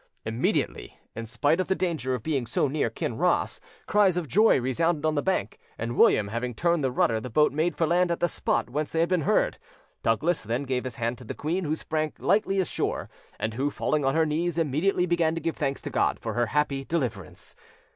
Immediately, in spite of the danger of being so near Kinross, cries of joy resounded on the bank, and William having turned the rudder, the boat made for land at the spot whence they had been heard. Douglas then gave his hand to the queen, who sprang lightly ashore, and who, falling on her knees, immediately began to give thanks to God for her happy deliverance.